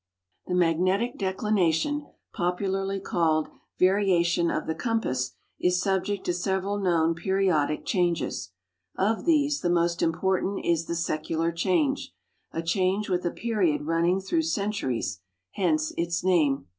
The magnetic declination, popularly called variation of the compa.s«, is subject to several known jjeriodic changes. Of these the most importsint is the secular change— a change with a period running through centuries ; hence its name.